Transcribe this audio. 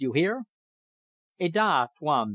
You hear?" "Ada, Tuan!"